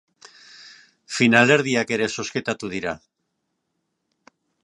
Finalerdiak ere zozketatu dira.